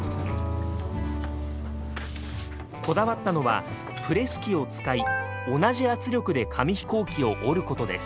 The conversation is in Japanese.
こだわったのはプレス機を使い同じ圧力で紙飛行機を折ることです。